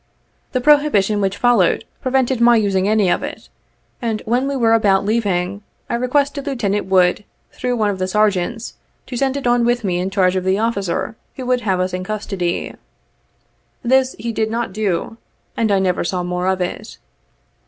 The prohibition which followed, pre vented my using any of it, and, when we were about leav ing, I requested Lieutenant Wood, through one of the Sergeants, to send it on with me in charge of the officer who would have us in custody. This he did not do, and I never saw more of it.